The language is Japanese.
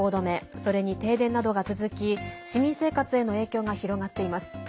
それに停電などが続き市民生活への影響が広がっています。